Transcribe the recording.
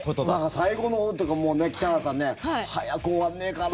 最後のほうとかもうね、北原さん早く終わんねーかなって。